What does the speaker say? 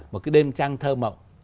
một cái đêm trăng thơ mộng